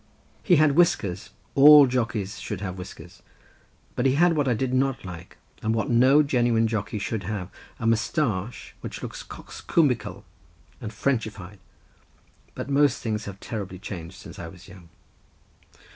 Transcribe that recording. He had whiskers—all jockeys should have whiskers—but he had what I did not like, and what no genuine jockey should have, a moustache, which looks coxcombical and Frenchified—but most things have terribly changed since I was young.